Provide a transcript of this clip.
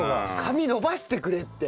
髪伸ばしてくれって。